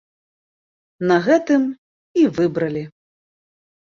На гэтым і выбралі.